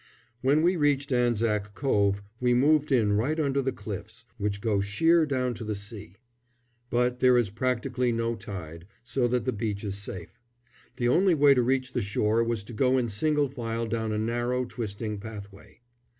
When we reached Anzac Cove we moved in right under the cliffs, which go sheer down to the sea; but there is practically no tide, so that the beach is safe. The only way to reach the shore was to go in single file down a narrow, twisting pathway.